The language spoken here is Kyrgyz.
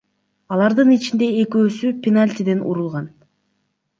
Алардын ичинде экөөсү — пенальтиден урулган.